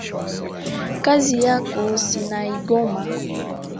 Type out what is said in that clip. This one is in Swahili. kazi yako sinaigoma.